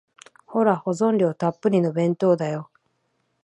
ほら、保存料たっぷりの弁当だよ。